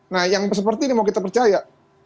nah yang seperti ini mau kita percaya